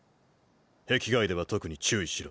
壁外では特に注意しろ。